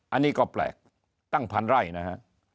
อันนี้ก็แปลก๑๐๐๐ไร่นะฮะ